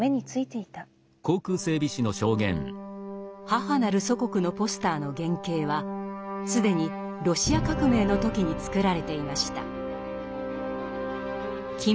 「母なる祖国」のポスターの原型は既にロシア革命の時に作られていました。